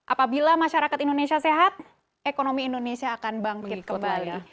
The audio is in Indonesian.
apabila masyarakat indonesia sehat ekonomi indonesia akan bangkit kembali